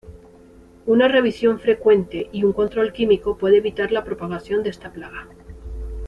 Una revisión frecuente y un control químico puede evitar la propagación de esta plaga.